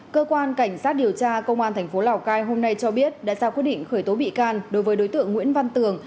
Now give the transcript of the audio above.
cơ quan cảnh sát điều tra công an thành phố lào cai hôm nay cho biết đã ra quyết định khởi tố bị can đối với đối tượng nguyễn văn tường